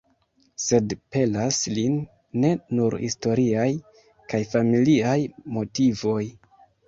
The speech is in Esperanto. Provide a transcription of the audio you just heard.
Sed pelas lin ne nur historiaj kaj familiaj motivoj.